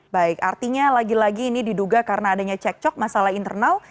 baik artinya lagi lagi ini diduga karena adanya cekcok masalah internal